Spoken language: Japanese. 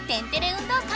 運動会